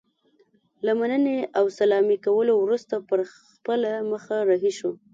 له مننې او سلامي کولو وروسته پر خپله مخه رهي شو.